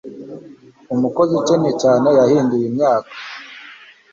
Umukozi ukennye cyane yahinduye imyaka